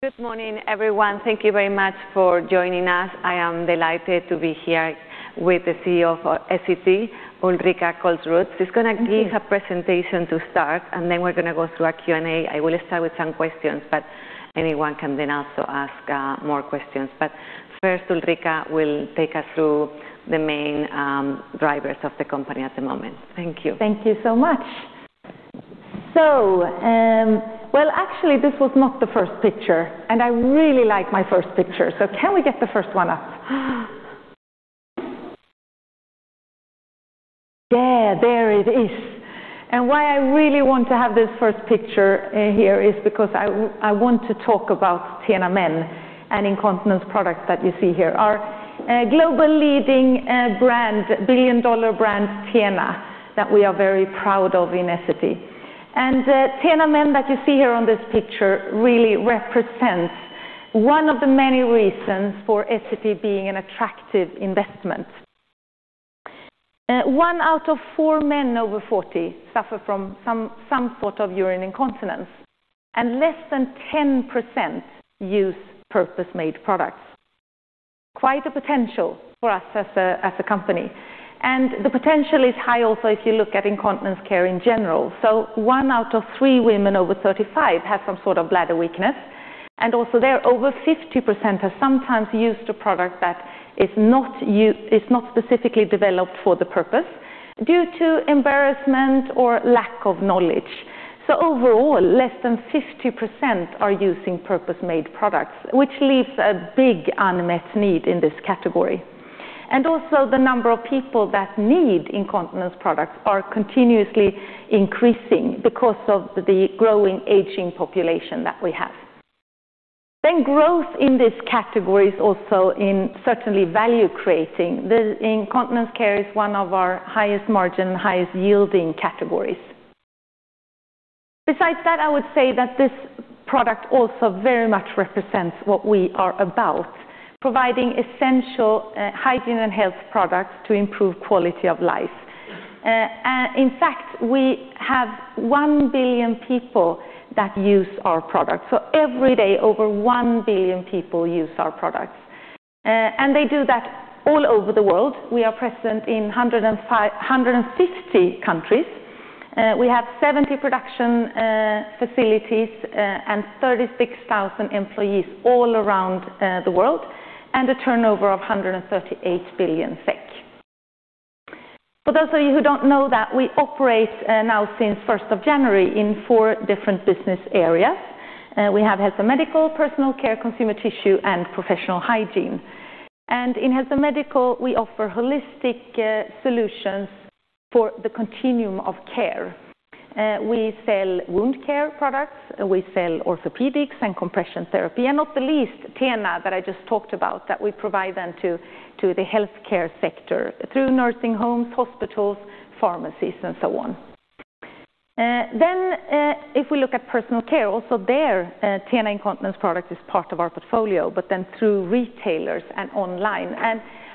Yeah. Good morning, everyone. Thank you very much for joining us. I am delighted to be here with the CEO of Essity, Ulrika Kolsrud. She's gonna give a presentation to start, and then we're gonna go through our Q&A. I will start with some questions, but anyone can then also ask more questions. First, Ulrika will take us through the main drivers of the company at the moment. Thank you. Thank you so much. Well, actually, this was not the first picture, and I really like my first picture, so can we get the first one up? Yeah, there it is. Why I really want to have this first picture here is because I want to talk about TENA Men, an incontinence product that you see here. Our global leading brand, billion-dollar brand, TENA, that we are very proud of in Essity. TENA Men that you see here on this picture really represents one of the many reasons for Essity being an attractive investment. One out of four men over 40 suffer from some sort of urine incontinence, and less than 10% use purpose-made products. Quite a potential for us as a company. The potential is high also if you look at incontinence care in general. One out of three women over 35 have some sort of bladder weakness, and also there, over 50% have sometimes used a product that is not specifically developed for the purpose due to embarrassment or lack of knowledge. Overall, less than 50% are using purpose-made products, which leaves a big unmet need in this category. Also the number of people that need incontinence products are continuously increasing because of the growing aging population that we have. Growth in this category is also in certainly value creating. The incontinence care is one of our highest margin, highest yielding categories. Besides that, I would say that this product also very much represents what we are about, providing essential hygiene and health products to improve quality of life. In fact, we have 1 billion people that use our products. Every day, over 1 billion people use our products. They do that all over the world. We are present in 150 countries. We have 70 production facilities and 36,000 employees all around the world, and a turnover of 138 billion SEK. For those of you who don't know that, we operate now since first of January in four different business areas. We have Health & Medical, Personal Care, Consumer Tissue, and Professional Hygiene. In Health & Medical, we offer holistic solutions for the continuum of care. We sell wound care products, we sell orthopedics and compression therapy, and not the least, TENA, that I just talked about, that we provide then to the healthcare sector through nursing homes, hospitals, pharmacies, and so on. If we look at Personal Care, also there, TENA incontinence product is part of our portfolio, but then through retailers and online.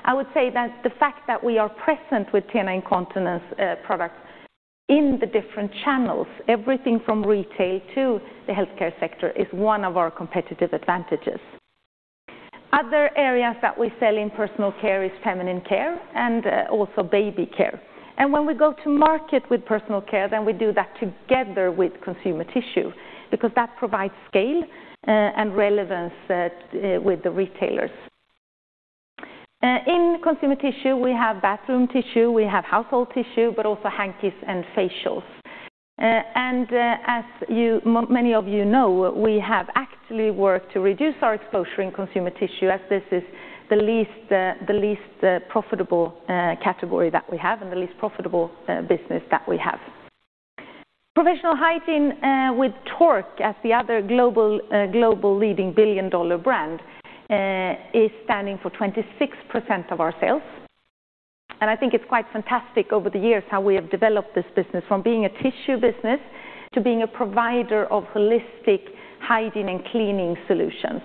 I would say that the fact that we are present with TENA incontinence product in the different channels, everything from retail to the healthcare sector, is one of our competitive advantages. Other areas that we sell in Personal Care is feminine care and also baby care. When we go to market with Personal Care, then we do that together with Consumer Tissue because that provides scale and relevance with the retailers. In Consumer Tissue, we have bathroom tissue, we have household tissue, but also hankies and facials. As many of you know, we have actually worked to reduce our exposure in Consumer Tissue as this is the least profitable category that we have and the least profitable business that we have. Professional Hygiene, with Tork as the other global leading billion-dollar brand, is standing for 26% of our sales. I think it's quite fantastic over the years how we have developed this business from being a tissue business to being a provider of holistic hygiene and cleaning solutions.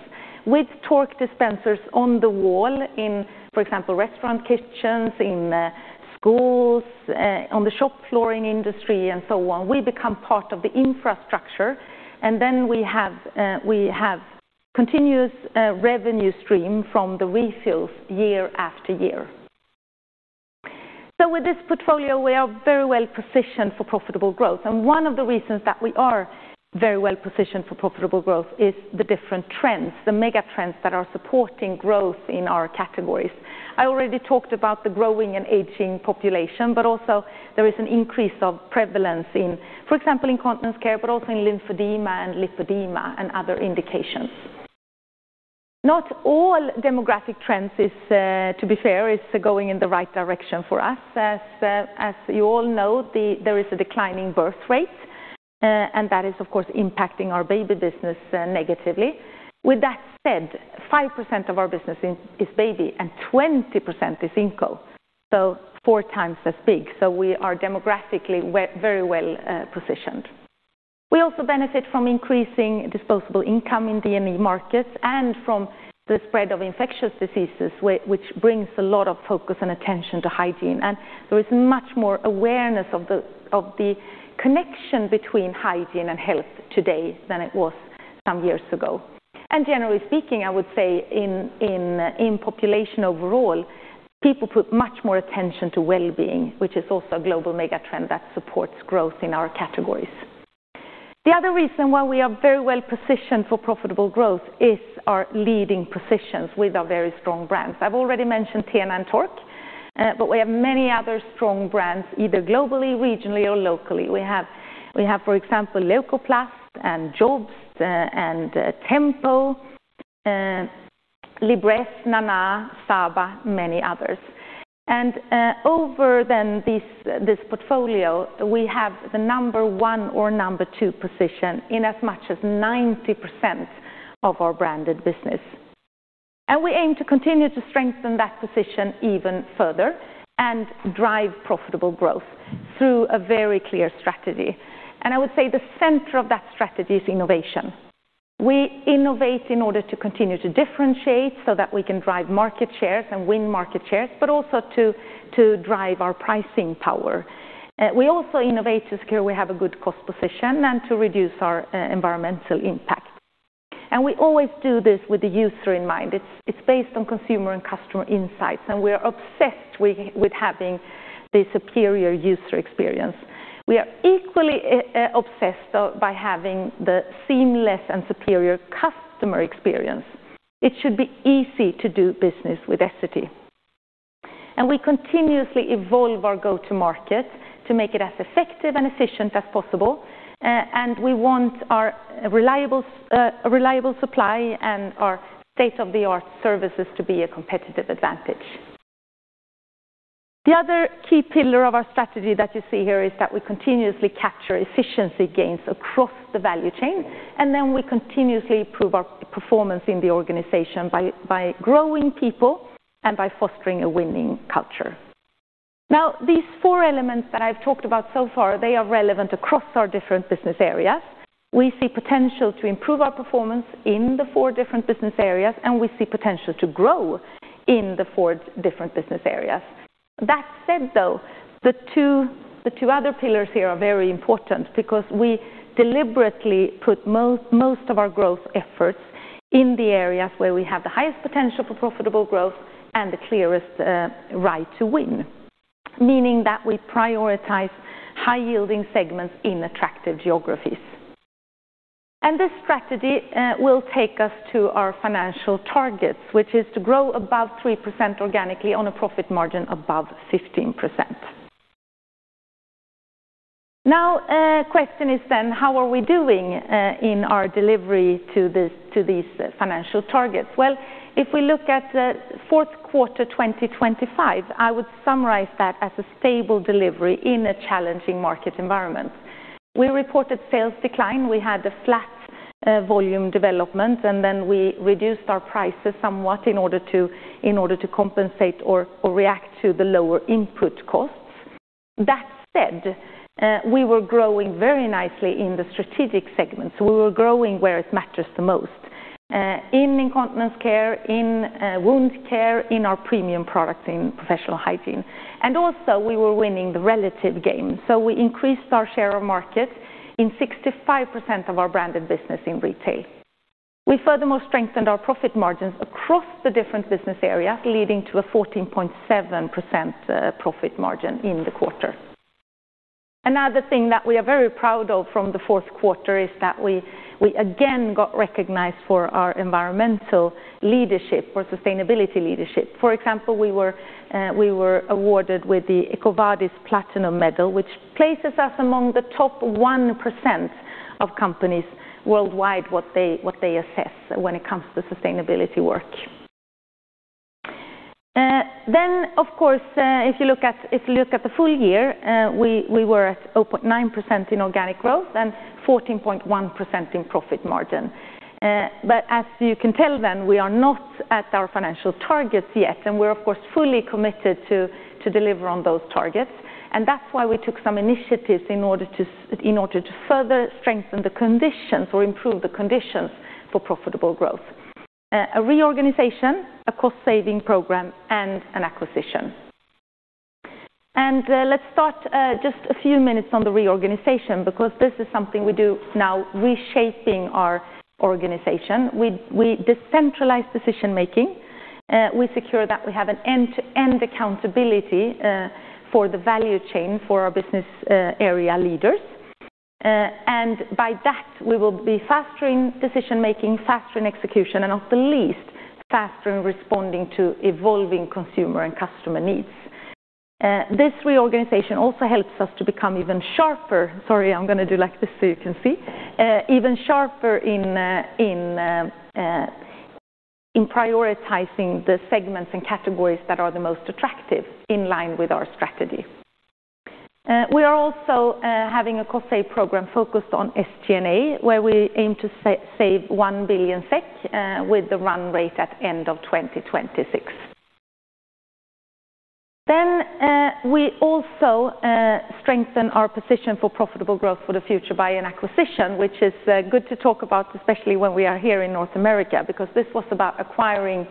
With Tork dispensers on the wall in, for example, restaurant kitchens, in schools, in the shop flooring industry, and so on, we become part of the infrastructure, and then we have continuous revenue stream from the refills year after year. With this portfolio, we are very well positioned for profitable growth. One of the reasons that we are very well positioned for profitable growth is the different trends, the mega trends that are supporting growth in our categories. I already talked about the growing and aging population, but also there is an increase of prevalence in, for example, incontinence care, but also in lymphedema and lipedema and other indications. Not all demographic trends is, to be fair, going in the right direction for us. As you all know, there is a declining birth rate, and that is of course impacting our baby business negatively. With that said, 5% of our business is baby and 20% is Inco, so four times as big. We are demographically very well positioned. We also benefit from increasing disposable income in DME markets and from the spread of infectious diseases which brings a lot of focus and attention to hygiene. There is much more awareness of the connection between hygiene and health today than it was some years ago. Generally speaking, I would say in population overall, people put much more attention to well-being, which is also a global mega trend that supports growth in our categories. The other reason why we are very well-positioned for profitable growth is our leading positions with our very strong brands. I've already mentioned TENA and Tork, but we have many other strong brands, either globally, regionally, or locally. We have for example, Leukoplast and JOBST, and Tempo, Libresse, Nana, Saba, many others. On top of this portfolio, we have the number one or number two position in as much as 90% of our branded business. We aim to continue to strengthen that position even further and drive profitable growth through a very clear strategy. I would say the center of that strategy is innovation. We innovate in order to continue to differentiate so that we can drive market shares and win market shares, but also to drive our pricing power. We also innovate to secure we have a good cost position and to reduce our environmental impact. We always do this with the user in mind. It's based on consumer and customer insights, and we're obsessed with having the superior user experience. We are equally obsessed by having the seamless and superior customer experience. It should be easy to do business with Essity. We continuously evolve our go-to-market to make it as effective and efficient as possible. We want our reliable supply and our state-of-the-art services to be a competitive advantage. The other key pillar of our strategy that you see here is that we continuously capture efficiency gains across the value chain, and then we continuously improve our performance in the organization by growing people and by fostering a winning culture. These four elements that I've talked about so far, they are relevant across our different business areas. We see potential to improve our performance in the four different business areas, and we see potential to grow in the four different business areas. That said, though, the two other pillars here are very important because we deliberately put most of our growth efforts in the areas where we have the highest potential for profitable growth and the clearest right to win, meaning that we prioritize high-yielding segments in attractive geographies. This strategy will take us to our financial targets, which is to grow above 3% organically on a profit margin above 15%. Question is then how are we doing in our delivery to this, to these financial targets? Well, if we look at fourth quarter 2025, I would summarize that as a stable delivery in a challenging market environment. We reported sales decline. We had a flat volume development, and then we reduced our prices somewhat in order to compensate or react to the lower input costs. That said, we were growing very nicely in the strategic segments. We were growing where it matters the most in incontinence care, in wound care, in our premium products, in professional hygiene. We were winning the relative game. We increased our share of market in 65% of our branded business in retail. We furthermore strengthened our profit margins across the different business areas, leading to a 14.7% profit margin in the quarter. Another thing that we are very proud of from the fourth quarter is that we again got recognized for our environmental leadership or sustainability leadership. For example, we were awarded with the EcoVadis Platinum Medal, which places us among the top 1% of companies worldwide, what they assess when it comes to sustainability work. Of course, if you look at the full year, we were at 0.9% in organic growth and 14.1% in profit margin. As you can tell then, we are not at our financial targets yet, and we're of course fully committed to deliver on those targets. That's why we took some initiatives in order to further strengthen the conditions or improve the conditions for profitable growth. A reorganization, a cost-saving program, and an acquisition. Let's start just a few minutes on the reorganization because this is something we do now reshaping our organization. We decentralize decision-making. We secure that we have an end-to-end accountability for the value chain for our business area leaders. By that, we will be faster in decision-making, faster in execution, and not the least, faster in responding to evolving consumer and customer needs. This reorganization also helps us to become even sharper. Sorry, I'm gonna do like this so you can see. Even sharper in prioritizing the segments and categories that are the most attractive in line with our strategy. We are also having a cost save program focused on SG&A, where we aim to save 1 billion SEK with the run rate at end of 2026. We also strengthen our position for profitable growth for the future by an acquisition, which is good to talk about, especially when we are here in North America, because this was about acquiring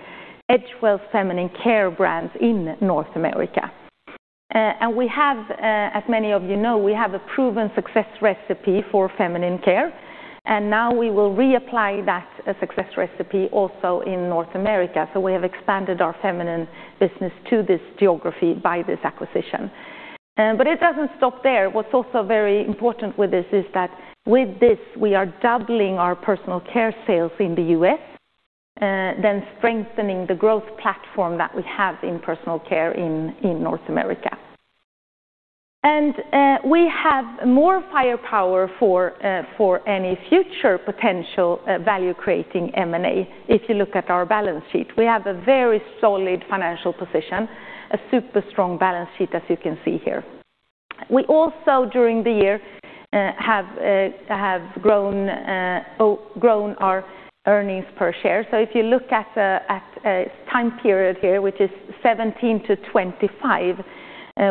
Edgewell Feminine Care brands in North America. As many of you know, we have a proven success recipe for feminine care, and now we will reapply that success recipe also in North America. We have expanded our feminine business to this geography by this acquisition. It doesn't stop there. What's also very important with this is that with this, we are doubling our Personal Care sales in the U.S., then strengthening the growth platform that we have in Personal Care in North America. We have more firepower for any future potential value creating M&A if you look at our balance sheet. We have a very solid financial position, a super strong balance sheet, as you can see here. We also, during the year, have grown our earnings per share. If you look at a time period here, which is 2017-2025,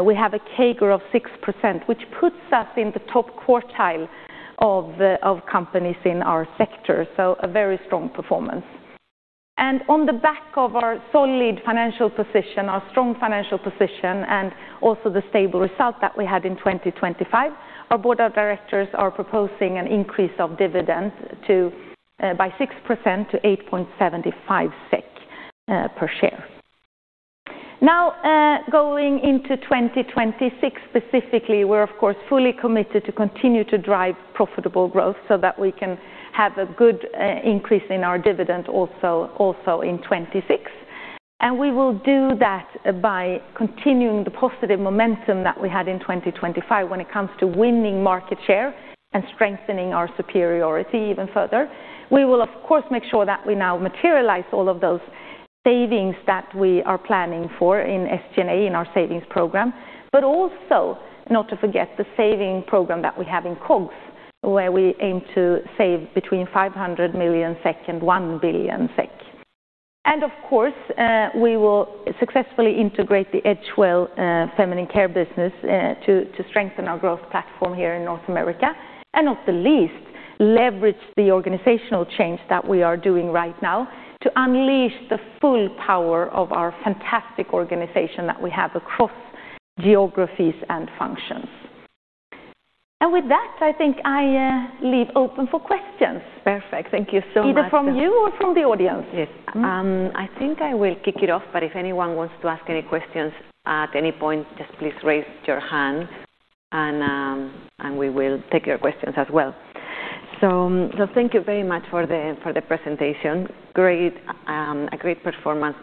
we have a CAGR of 6%, which puts us in the top quartile of companies in our sector, so a very strong performance. On the back of our solid financial position, our strong financial position, and also the stable result that we had in 2025, our board of directors are proposing an increase of dividend by 6% to 8.75 SEK per share. Now, going into 2026 specifically, we're of course fully committed to continue to drive profitable growth so that we can have a good increase in our dividend also in 2026. We will do that by continuing the positive momentum that we had in 2025 when it comes to winning market share and strengthening our superiority even further. We will of course make sure that we now materialize all of those savings that we are planning for in SG&A in our savings program, but also not to forget the saving program that we have in COGS, where we aim to save between 500 million SEK and 1 billion SEK. Of course, we will successfully integrate the Edgewell feminine care business to strengthen our growth platform here in North America, and not the least leverage the organizational change that we are doing right now to unleash the full power of our fantastic organization that we have across geographies and functions. With that, I think I leave open for questions. Perfect. Thank you so much. Either from you or from the audience. Yes. I think I will kick it off, but if anyone wants to ask any questions at any point, just please raise your hand and we will take your questions as well. Thank you very much for the presentation. Great, a great performance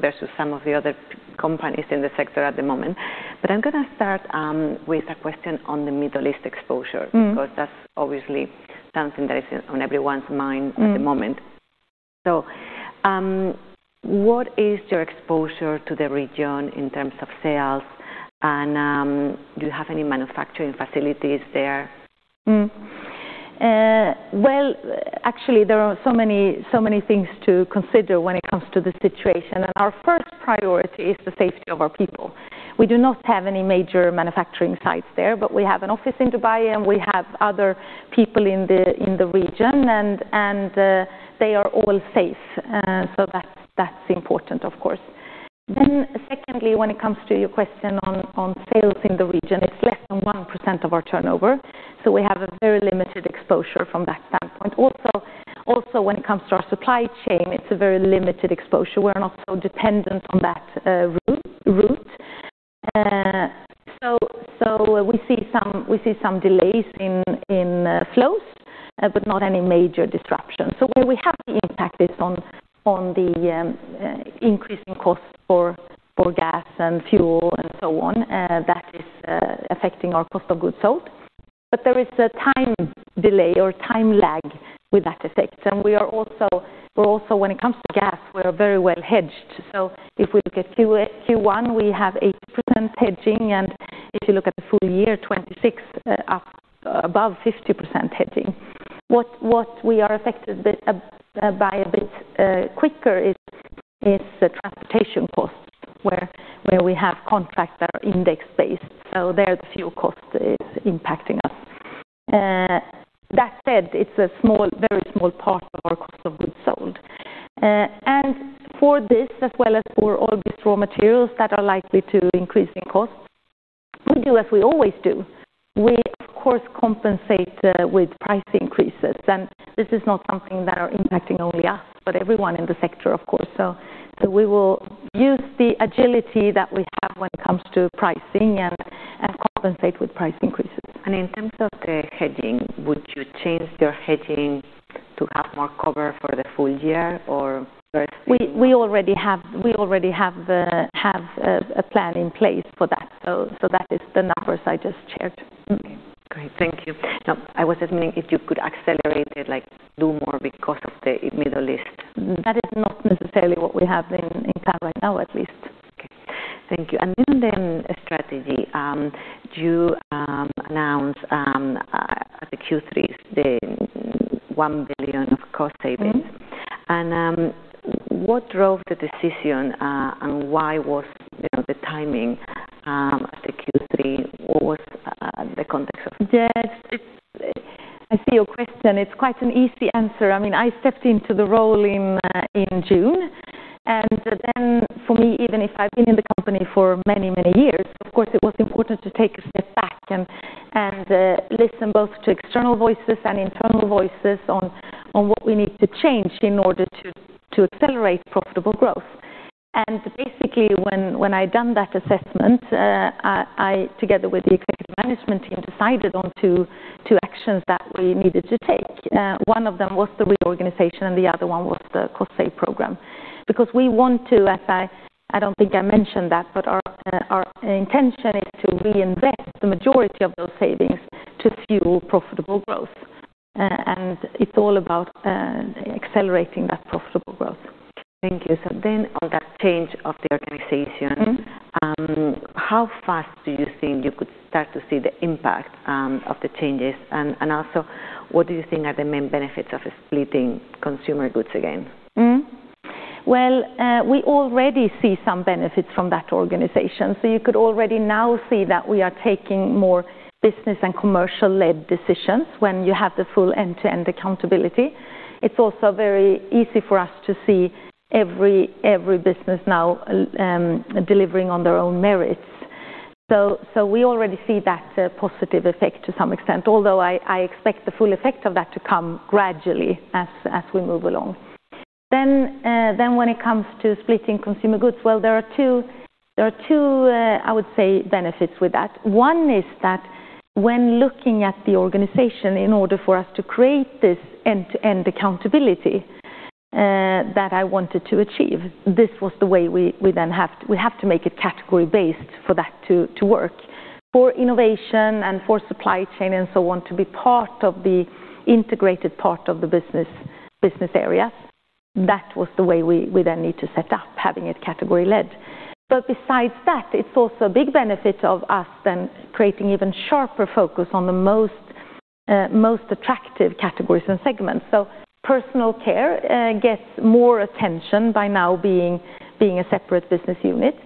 versus some of the other companies in the sector at the moment. I'm gonna start with a question on the Middle East exposure. because that's obviously something that is on everyone's mind at the moment. What is your exposure to the region in terms of sales and do you have any manufacturing facilities there? Well, actually, there are so many things to consider when it comes to the situation, and our first priority is the safety of our people. We do not have any major manufacturing sites there, but we have an office in Dubai and we have other people in the region, and they are all safe. That's important of course. Secondly, when it comes to your question on sales in the region, it's less than 1% of our turnover, so we have a very limited exposure from that standpoint. Also, when it comes to our supply chain, it's a very limited exposure. We're not so dependent on that route. We see some delays in flows, but not any major disruption. Where we have the impact is on the increasing costs for gas and fuel and so on, that is affecting our cost of goods sold. There is a time delay or time lag with that effect. We are also, when it comes to gas, very well hedged. If we look at Q1, we have 8% hedging, and if you look at the full year, 2026 up above 50% hedging. What we are affected by a bit quicker is the transportation costs where we have contracts that are index-based, so there the fuel cost is impacting us. That said, it's a very small part of our cost of goods sold. For this, as well as for all these raw materials that are likely to increase in cost, we do as we always do. We of course compensate with price increases, and this is not something that are impacting only us, but everyone in the sector of course. We will use the agility that we have when it comes to pricing and compensate with price increases. In terms of the hedging, would you change your hedging to have more cover for the full year or are you? We already have a plan in place for that. That is the numbers I just shared. Okay. Great. Thank you. Now, I was assuming if you could accelerate it, like do more because of the Middle East. That is not necessarily what we have in plan right now at least. Okay. Thank you. In the strategy, you announced the Q3, the 1 billion of cost savings. What drove the decision, and why was, you know, the timing at the Q3? What was the context of that? Yes. I see your question, it's quite an easy answer. I mean, I stepped into the role in June, and then for me, even if I've been in the company for many, many years, of course it was important to take a step back and listen both to external voices and internal voices on what we need to change in order to accelerate profitable growth. Basically, when I'd done that assessment, I, together with the executive management team, decided on two actions that we needed to take. One of them was the reorganization, and the other one was the cost save program. Because we want to, as I don't think I mentioned that, but our intention is to reinvest the majority of those savings to fuel profitable growth. It's all about accelerating that profitable growth. Thank you. On that change of the organization, how fast do you think you could start to see the impact of the changes? Also, what do you think are the main benefits of splitting consumer goods again? We already see some benefits from that organization. You could already now see that we are taking more business and commercial-led decisions when you have the full end-to-end accountability. It's also very easy for us to see every business now delivering on their own merits. We already see that positive effect to some extent, although I expect the full effect of that to come gradually as we move along. When it comes to splitting consumer goods, there are two I would say benefits with that. One is that when looking at the organization in order for us to create this end-to-end accountability that I wanted to achieve, this was the way we have to make it category-based for that to work. For innovation and for supply chain and so on to be part of the integrated part of the business area, that was the way we then need to set up, having it category-led. Besides that, it's also a big benefit of us then creating even sharper focus on the most attractive categories and segments. Personal Care gets more attention by now being a separate business unit.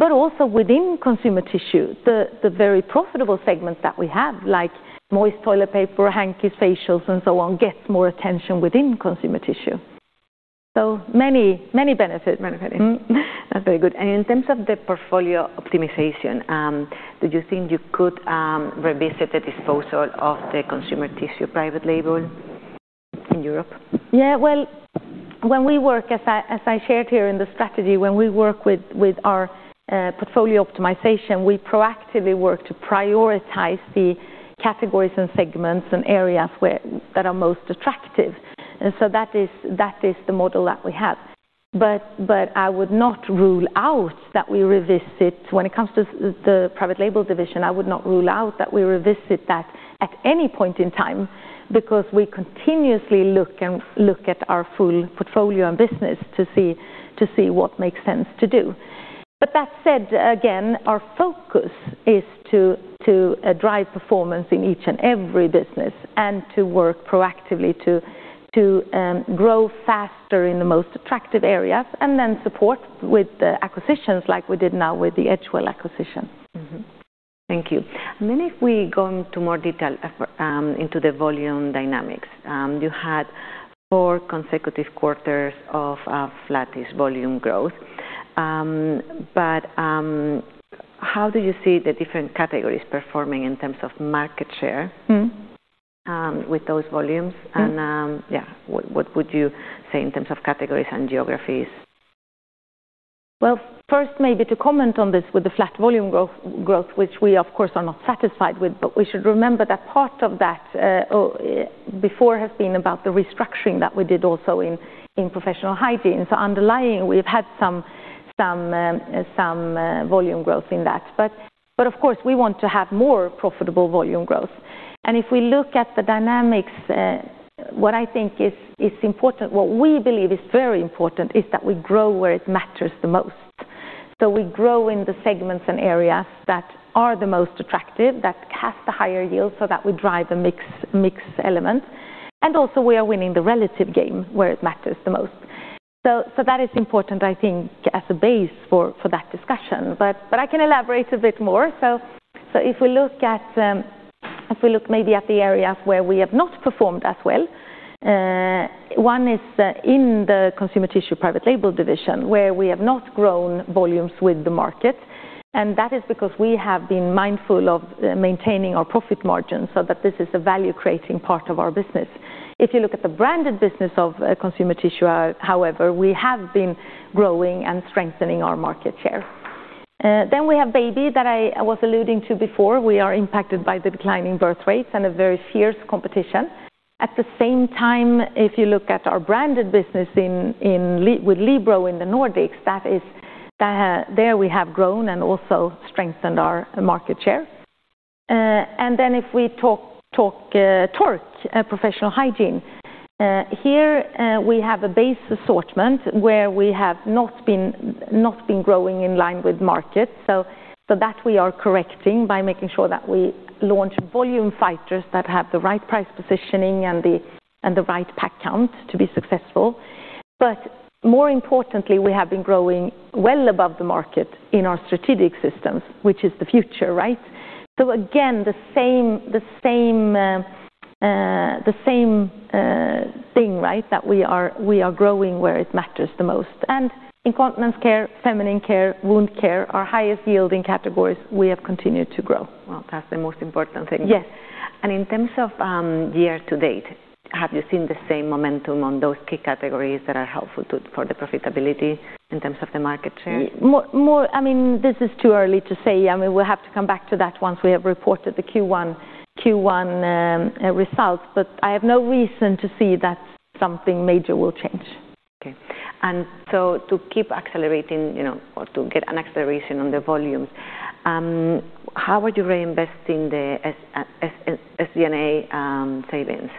Also within Consumer Tissue, the very profitable segments that we have, like moist toilet paper, hankies, facials, and so on, gets more attention within Consumer Tissue. Many benefits. That's very good. In terms of the portfolio optimization, do you think you could revisit the disposal of the Consumer Tissue private label in Europe? Well, when we work, as I shared here in the strategy, when we work with our portfolio optimization, we proactively work to prioritize the categories and segments and areas where that are most attractive. That is the model that we have. I would not rule out that we revisit. When it comes to the private label division, I would not rule out that we revisit that at any point in time because we continuously look at our full portfolio and business to see what makes sense to do. That said, again, our focus is to drive performance in each and every business and to work proactively to grow faster in the most attractive areas, and then support with the acquisitions like we did now with the Edgewell acquisition. Thank you. If we go into more detail into the volume dynamics. You had four consecutive quarters of flattish volume growth. How do you see the different categories performing in terms of market share? With those volumes? Yeah. What would you say in terms of categories and geographies? Well, first maybe to comment on this with the flat volume growth which we of course are not satisfied with. We should remember that part of that before has been about the restructuring that we did also in Professional Hygiene. Underlying, we've had some volume growth in that. Of course we want to have more profitable volume growth. If we look at the dynamics, what I think is important, what we believe is very important is that we grow where it matters the most. We grow in the segments and areas that are the most attractive, that have the higher yield, so that we drive the mix element. Also we are winning the relative game where it matters the most. That is important I think as a base for that discussion. I can elaborate a bit more. If we look maybe at the areas where we have not performed as well, one is in the Consumer Tissue private label division, where we have not grown volumes with the market. That is because we have been mindful of maintaining our profit margins so that this is a value-creating part of our business. If you look at the branded business of Consumer Tissue, however, we have been growing and strengthening our market share. We have baby that I was alluding to before. We are impacted by the declining birth rates and a very fierce competition. At the same time, if you look at our branded business in Libero in the Nordics, that is, there we have grown and also strengthened our market share. Then if we talk Professional Hygiene, here we have a base assortment where we have not been growing in line with market. So that we are correcting by making sure that we launch volume fighters that have the right price positioning and the right pack count to be successful. More importantly, we have been growing well above the market in our strategic systems, which is the future, right? Again, the same thing, right? That we are growing where it matters the most. Incontinence care, feminine care, wound care, our highest yielding categories, we have continued to grow. Well, that's the most important thing. Yes. In terms of year to date, have you seen the same momentum on those key categories that are helpful for the profitability in terms of the market share? I mean, this is too early to say. I mean, we'll have to come back to that once we have reported the Q1 results. I have no reason to see that something major will change. Okay. To keep accelerating, you know, or to get an acceleration on the volumes, how are you reinvesting the SG&A savings?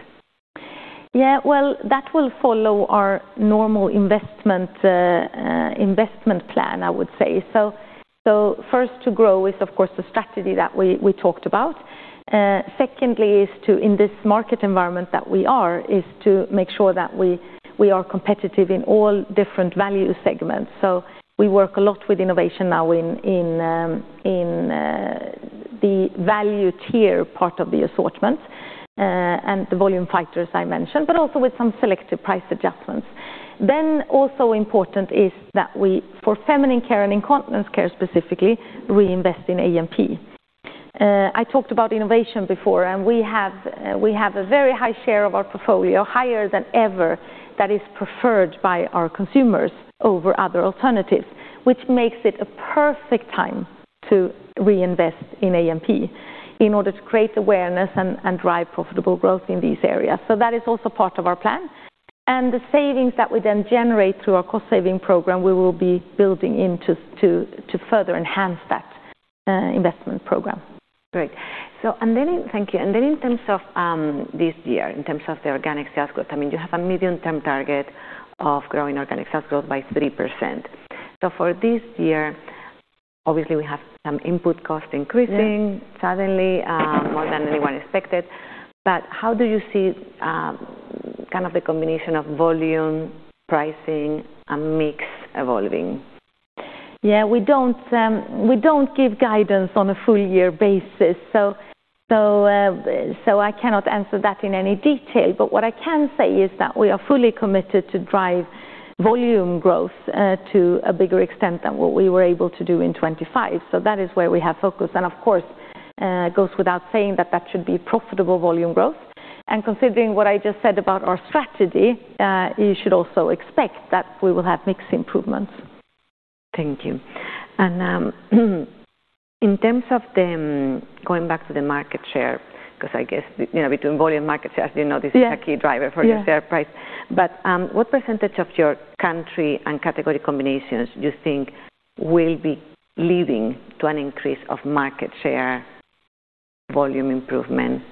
Yeah. Well, that will follow our normal investment plan, I would say. First to grow is of course the strategy that we talked about. Secondly is to make sure that we are competitive in all different value segments. We work a lot with innovation now in the value tier part of the assortment, and the volume fighters I mentioned, but also with some selective price adjustments. Also important is that we, for feminine care and incontinence care specifically, we invest in A&P. I talked about innovation before, and we have a very high share of our portfolio, higher than ever, that is preferred by our consumers over other alternatives, which makes it a perfect time to reinvest in A&P in order to create awareness and drive profitable growth in these areas. That is also part of our plan. The savings that we then generate through our cost saving program, we will be building into to further enhance that investment program. Great. Thank you. In terms of this year, in terms of the organic sales growth, I mean, you have a medium-term target of growing organic sales growth by 3%. For this year, obviously we have some input cost increasing suddenly, more than anyone expected. How do you see kind of the combination of volume, pricing and mix evolving? Yeah. We don't give guidance on a full year basis, so I cannot answer that in any detail. What I can say is that we are fully committed to drive volume growth to a bigger extent than what we were able to do in 2025. That is where we have focus and of course goes without saying that should be profitable volume growth. Considering what I just said about our strategy, you should also expect that we will have mix improvements. Thank you. In terms of going back to the market share, 'cause I guess, you know, between volume market share, you know this is a key driver for the share price. What percentage of your country and category combinations do you think will be leading to an increase of market share volume improvement?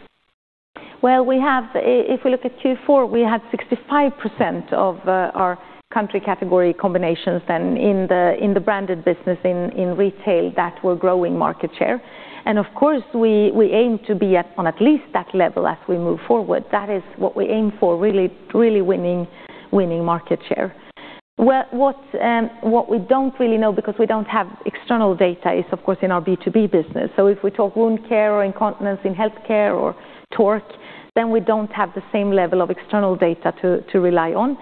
Well, if we look at Q4, we have 65% of our country category combinations then in the branded business in retail that we're growing market share. Of course we aim to be at or at least that level as we move forward. That is what we aim for, really winning market share. Well, what we don't really know because we don't have external data is of course in our B2B business. If we talk wound care or incontinence in healthcare or Tork, then we don't have the same level of external data to rely on.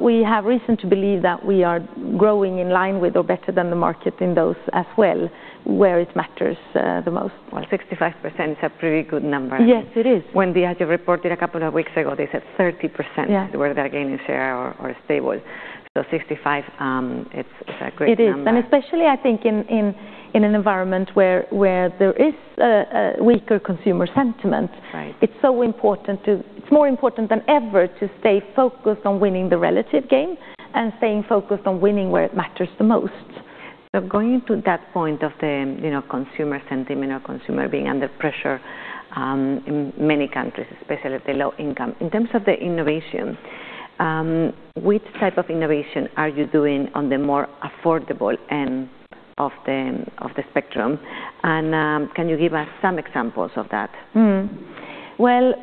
We have reason to believe that we are growing in line with or better than the market in those as well, where it matters the most. Well, 65% is a pretty good number. Yes, it is. When they had reported a couple of weeks ago, they said 30%. Yeah. Were they gaining share or stable. 65%, it's a great number. It is. Especially I think in an environment where there is a weaker consumer sentiment. Right. It's more important than ever to stay focused on winning the relative game and staying focused on winning where it matters the most. Going to that point of the, you know, consumer sentiment or consumer being under pressure, in many countries, especially the low income. In terms of the innovation, which type of innovation are you doing on the more affordable end of the spectrum? Can you give us some examples of that? Well,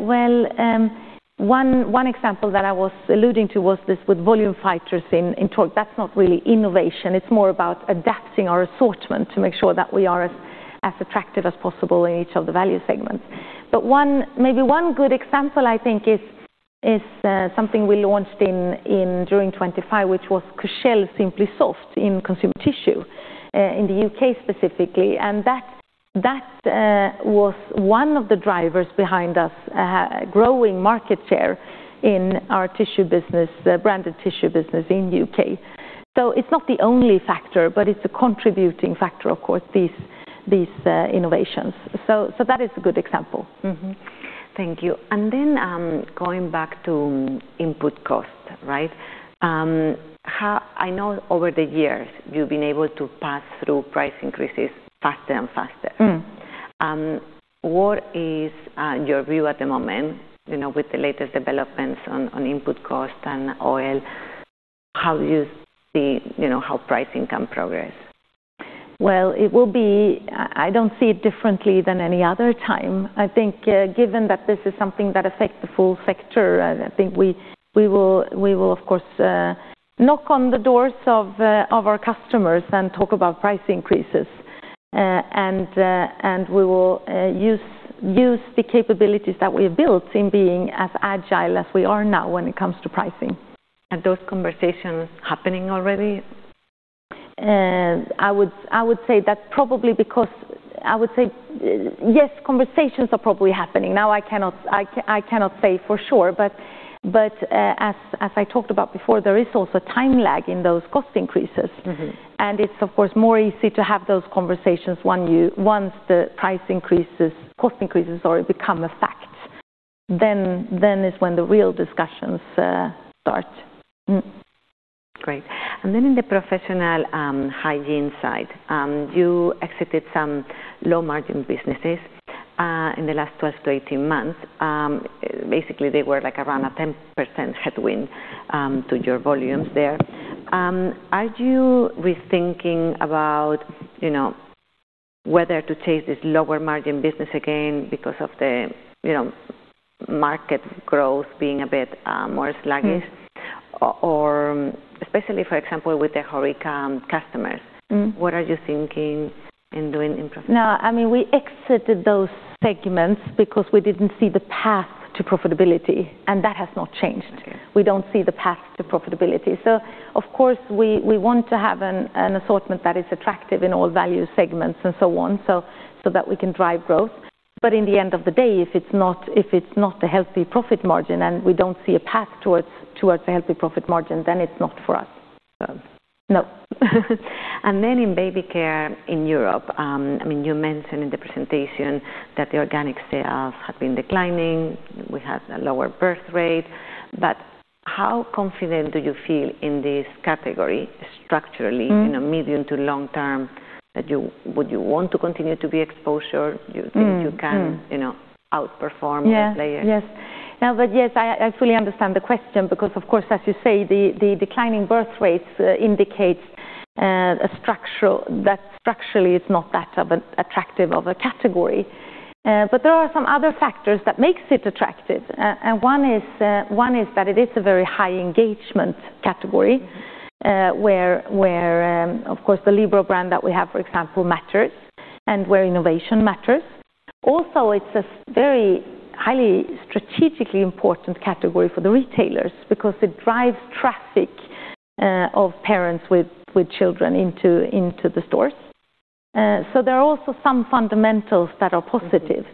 one example that I was alluding to was this with volume fighters in Tork. That's not really innovation, it's more about adapting our assortment to make sure that we are as attractive as possible in each of the value segments. One good example I think is something we launched during 2025, which was Cushelle Simply Soft in consumer tissue in the U.K. specifically. That was one of the drivers behind us growing market share in our tissue business, the branded tissue business in the U.K. It's not the only factor, but it's a contributing factor of course these innovations. That is a good example. Thank you. Going back to input cost, right? I know over the years you've been able to pass through price increases faster and faster. What is your view at the moment, you know, with the latest developments on input costs and oil? How do you see, you know, how pricing can progress? Well, I don't see it differently than any other time. I think, given that this is something that affect the full sector, I think we will of course knock on the doors of our customers and talk about price increases. We will use the capabilities that we have built in being as agile as we are now when it comes to pricing. Those conversations happening already? I would say that probably because I would say, yes, conversations are probably happening. Now, I cannot say for sure, but as I talked about before, there is also time lag in those cost increases. It's of course more easy to have those conversations once the price increases, cost increases already become a fact. Is when the real discussions start. Great. Then in the Professional Hygiene side, you exited some low-margin businesses in the last 12-18 months. Basically they were like around a 10% headwind to your volumes there. Are you rethinking about, you know, whether to chase this lower margin business again because of the, you know, market growth being a bit more sluggish? Especially for example, with the HoReCa customers. What are you thinking of doing in professional? No, I mean, we exited those segments because we didn't see the path to profitability, and that has not changed. Okay. We don't see the path to profitability. Of course we want to have an assortment that is attractive in all value segments and so on, so that we can drive growth. In the end of the day, if it's not a healthy profit margin and we don't see a path towards a healthy profit margin, then it's not for us. No. In baby care in Europe, I mean, you mentioned in the presentation that the organic sales have been declining. We have a lower birth rate, but how confident do you feel in this category structurally? In a medium- to long-term, would you want to continue to be exposed? You think you can, you know, outperform other players? Yes. Yes. No, but yes, I fully understand the question because of course, as you say, the declining birth rates. Structurally it's not as attractive a category. There are some other factors that makes it attractive. One is that it is a very high engagement category. Where of course, the Libero brand that we have, for example, matters and where innovation matters. Also, it's a very highly strategically important category for the retailers because it drives traffic of parents with children into the stores. There are also some fundamentals that are positive.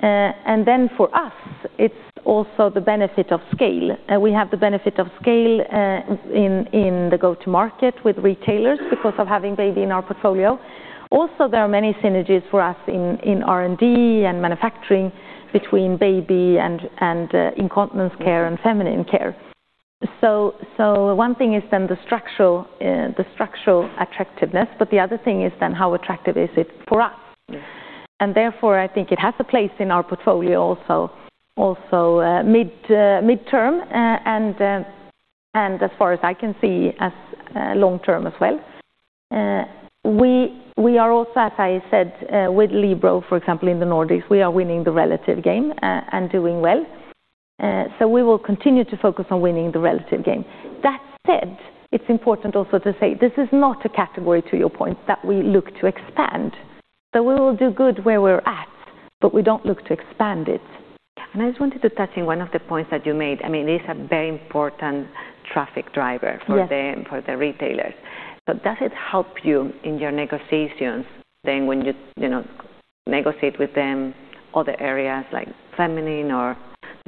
For us it's also the benefit of scale. We have the benefit of scale in the go-to-market with retailers because of having baby in our portfolio. Also, there are many synergies for us in R&D and manufacturing between baby and incontinence care and feminine care. One thing is then the structural attractiveness, but the other thing is then how attractive is it for us. Therefore, I think it has a place in our portfolio also, mid-term, and as far as I can see, long-term as well. We are also, as I said, with Libero for example, in the Nordics, we are winning the relative game, and doing well. We will continue to focus on winning the relative game. That said, it's important also to say this is not a category, to your point, that we look to expand. We will do good where we're at, but we don't look to expand it. I just wanted to touch on one of the points that you made. I mean, it is a very important traffic driver for the for the retailers. Does it help you in your negotiations then when you know, negotiate with them other areas like feminine or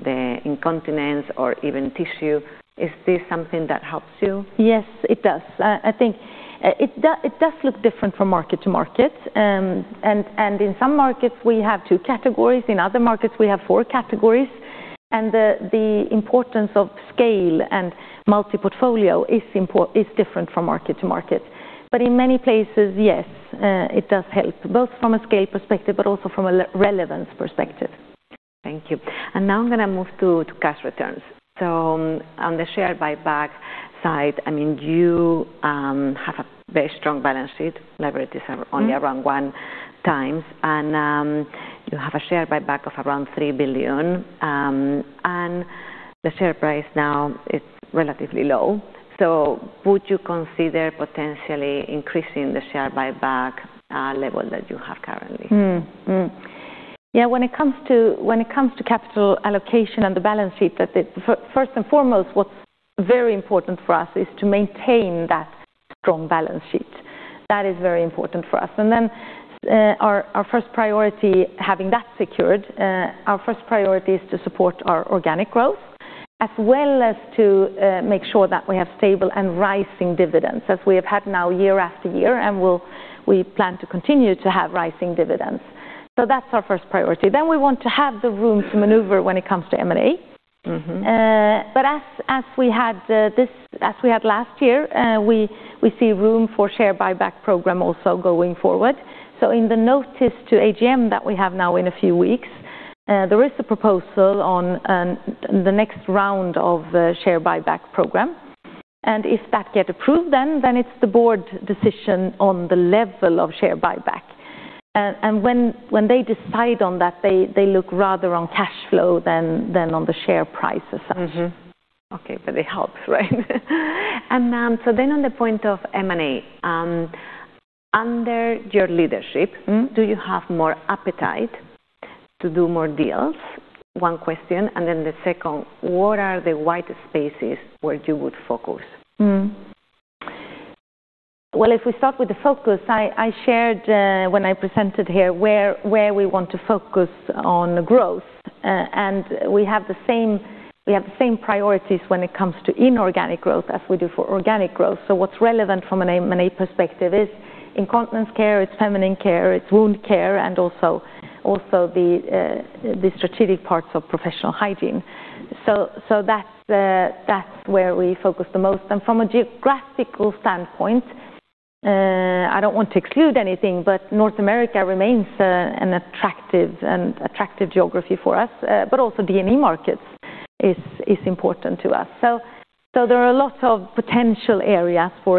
the incontinence or even tissue? Is this something that helps you? Yes, it does. I think it does look different from market to market. In some markets we have two categories, in other markets we have four categories, and the importance of scale and multi-portfolio is different from market to market. In many places, yes, it does help, both from a scale perspective, but also from a relevance perspective. Thank you. Now I'm gonna move to cash returns. On the share buyback side, I mean, you have a very strong balance sheet leverage is only around one times, and you have a share buyback of around 3 billion, and the share price now is relatively low. Would you consider potentially increasing the share buyback level that you have currently? Yeah, when it comes to capital allocation and the balance sheet, first and foremost, what's very important for us is to maintain that strong balance sheet. That is very important for us. Our first priority, having that secured, is to support our organic growth as well as to make sure that we have stable and rising dividends as we have had now year after year. We plan to continue to have rising dividends. That's our first priority. We want to have the room to maneuver when it comes to M&A. As we had last year, we see room for share buyback program also going forward. In the notice to AGM that we have now in a few weeks, there is a proposal on the next round of share buyback program. If that get approved, then it's the board decision on the level of share buyback. When they decide on that, they look rather on cash flow than on the share price as such. Mm-hmm. Okay. It helps, right? On the point of M&A, under your leadership. Do you have more appetite to do more deals? One question, and then the second, what are the white spaces where you would focus? Well, if we start with the focus, I shared when I presented here where we want to focus on growth. We have the same priorities when it comes to inorganic growth as we do for organic growth. What's relevant from an M&A perspective is incontinence care, it's feminine care, it's wound care, and also the strategic parts of professional hygiene. That's where we focus the most. From a geographical standpoint, I don't want to exclude anything, but North America remains an attractive geography for us. DME markets is important to us. There are a lot of potential areas for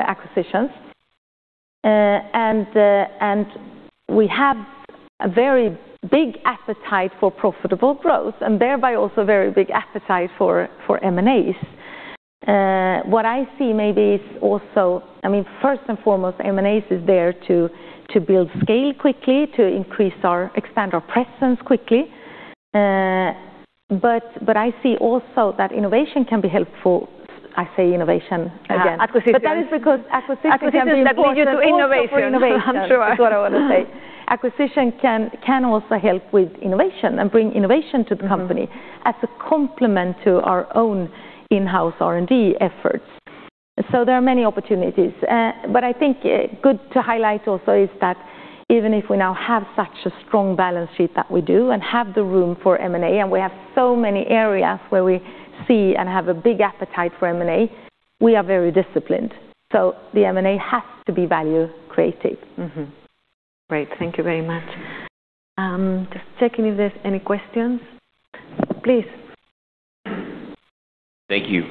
acquisitions. We have a very big appetite for profitable growth, and thereby also very big appetite for M&As. What I see maybe is also, I mean, first and foremost, M&As is there to build scale quickly, to expand our presence quickly. I see also that innovation can be helpful. I say innovation again. Acquisitions. That is because acquisitions can be important. Acquisitions that lead you to innovation. also for innovation. Sure. Is what I wanna say. Acquisition can also help with innovation and bring innovation to the company as a complement to our own in-house R&D efforts. There are many opportunities. I think good to highlight also is that even if we now have such a strong balance sheet that we do and have the room for M&A, and we have so many areas where we see and have a big appetite for M&A, we are very disciplined, so the M&A has to be value creating. Great. Thank you very much. Just checking if there's any questions. Please. Thank you.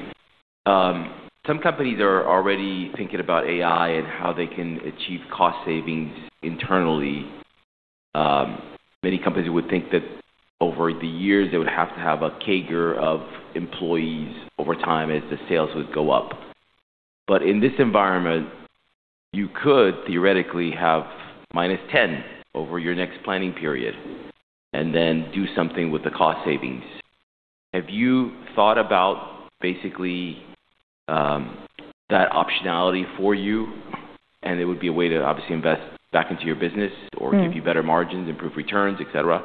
Some companies are already thinking about AI and how they can achieve cost savings internally. Many companies would think that over the years, they would have to have a CAGR of employees over time as the sales would go up. In this environment, you could theoretically have -10% over your next planning period and then do something with the cost savings. Have you thought about basically that optionality for you? It would be a way to obviously invest back into your business or give you better margins, improve returns, et cetera.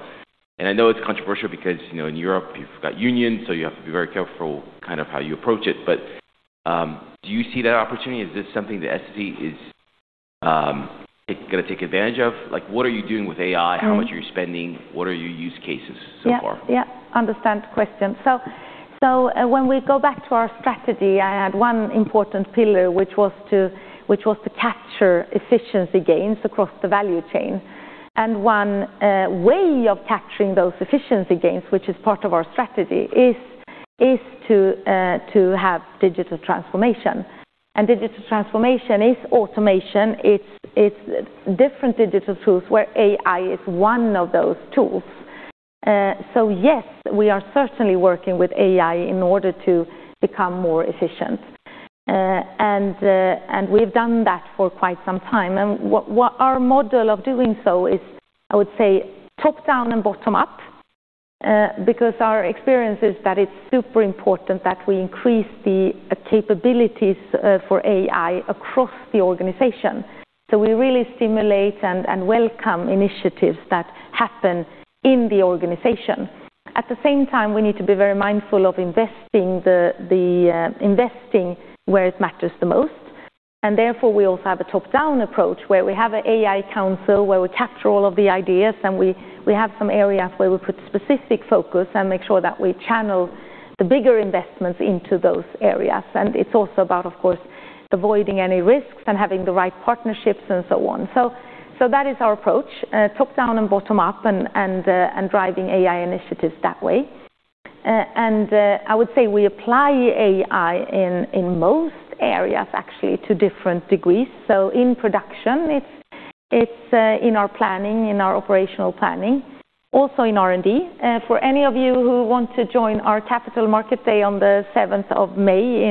I know it's controversial because, you know, in Europe you've got unions, so you have to be very careful kind of how you approach it. Do you see that opportunity? Is this something that Essity is it gonna take advantage of? Like, what are you doing with AI? How much are you spending? What are your use cases so far? Yeah. Yeah, I understand the question. When we go back to our strategy, I had one important pillar, which was to capture efficiency gains across the value chain. One way of capturing those efficiency gains, which is part of our strategy, is to have digital transformation. Digital transformation is automation. It's different digital tools, where AI is one of those tools. Yes, we are certainly working with AI in order to become more efficient. We've done that for quite some time. What our model of doing so is, I would say, top-down and bottom-up, because our experience is that it's super important that we increase the capabilities for AI across the organization. We really stimulate and welcome initiatives that happen in the organization. At the same time, we need to be very mindful of investing where it matters the most. Therefore, we also have a top-down approach where we have an AI council where we capture all of the ideas and we have some areas where we put specific focus and make sure that we channel the bigger investments into those areas. It's also about, of course, avoiding any risks and having the right partnerships and so on. That is our approach, top-down and bottom-up and driving AI initiatives that way. I would say we apply AI in most areas actually to different degrees. In production it's in our planning, in our operational planning, also in R&D. For any of you who want to join our Capital Markets Day on the seventh of May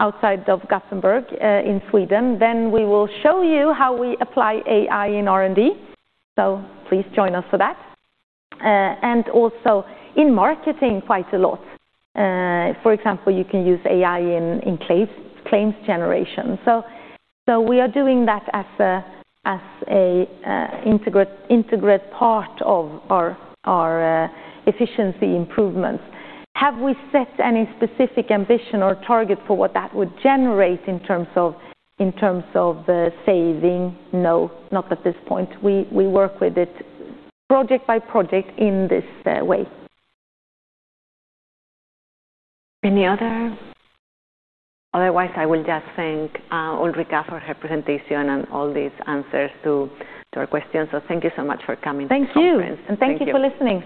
outside of Gothenburg, in Sweden, then we will show you how we apply AI in R&D. Please join us for that. Also in marketing quite a lot. For example, you can use AI in claims generation. We are doing that as an integrated part of our efficiency improvements. Have we set any specific ambition or target for what that would generate in terms of savings? No, not at this point. We work with it project by project in this way. Any other? Otherwise, I will just thank Ulrika for her presentation and all these answers to our questions. Thank you so much for coming to the conference. Thank you. Thank you. Thank you for listening.